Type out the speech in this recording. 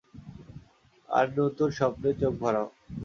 আর নতুন স্বপ্নে চোখ ভরাও।